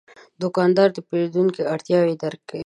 دوکاندار د پیرودونکو اړتیاوې درک کوي.